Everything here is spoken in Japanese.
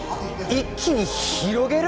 一気に広げる！？